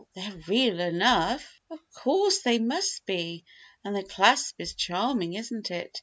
"They're real enough!" "Of course they must be. And the clasp is charming, isn't it?